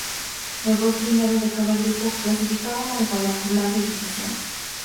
Los dos primeros de cada grupo clasificaron al cuadrangular de definición.